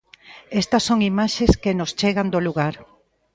Estas son imaxes que nos chegan do lugar.